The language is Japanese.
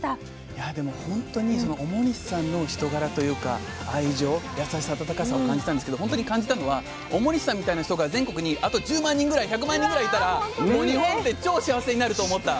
いやでも本当に表西さんの人柄というか愛情優しさ温かさを感じたんですけど本当に感じたのは表西さんみたいな人が全国にあと１０万人ぐらい１００万人ぐらいいたらもう日本って超幸せになると思った。